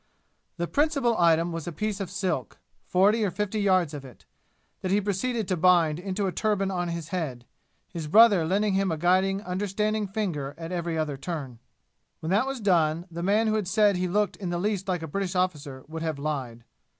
The principal item was a piece of silk forty or fifty yards of it that he proceeded to bind into a turban on his head, his brother lending him a guiding, understanding finger at every other turn. When that was done, the man who had said he looked in the least like a British officer would have lied.